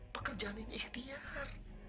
pekerjaan ini ikhtiar